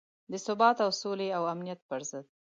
د ثبات او سولې او امنیت پر ضد.